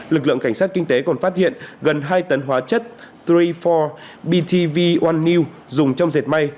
lực lượng cảnh sát kinh tế còn phát hiện gần hai tấn hóa chất ba mươi bốn btv một n dùng trong dệt may